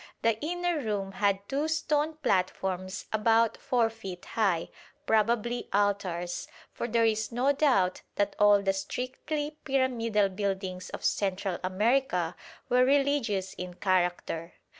The inner room had two stone platforms about 4 feet high, probably altars: for there is no doubt that all the strictly pyramidal buildings of Central America were religious in character.